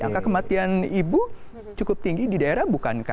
angka kematian ibu cukup tinggi di daerah bukankah